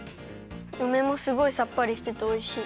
うめもすごいさっぱりしてておいしい。